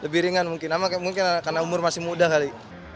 lebih ringan mungkin karena umur masih muda kali